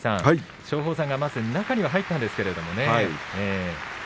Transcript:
松鳳山がまず中には入ったんですけれどもね。